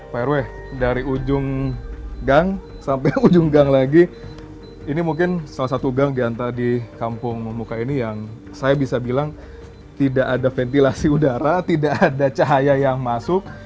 pak rw dari ujung gang sampai ujung gang lagi ini mungkin salah satu gang di antara di kampung membuka ini yang saya bisa bilang tidak ada ventilasi udara tidak ada cahaya yang masuk